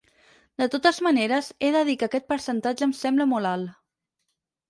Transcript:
De totes maneres, he de dir que aquest percentatge em sembla molt alt.